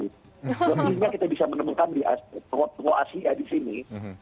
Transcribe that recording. mungkin kita bisa menemukan di tengah asia disini